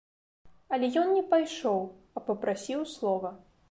Але ён не пайшоў, а папрасіў слова.